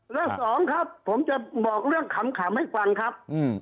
สองครับผมจะบอกเรื่องขำให้ฟังครับ